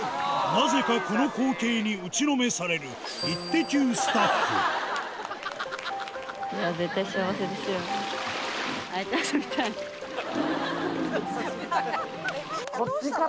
なぜかこの光景に打ちのめされるハハハハ！